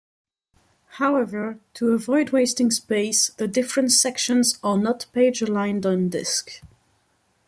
However, to avoid wasting space, the different sections are not page aligned on disk.